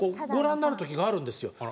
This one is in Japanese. ご覧になる時があるんですよ。